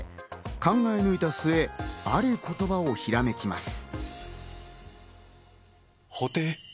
考え抜いた末、ある言葉をひらめきます。